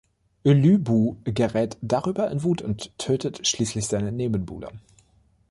Lü Bu gerät darüber in Wut und tötet schließlich seinen Nebenbuhler.